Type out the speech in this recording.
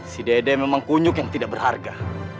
si dede memang kunyuk yang tidak berharga